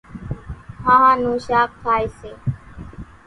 ۿانۿان نون شاک کائيَ سي۔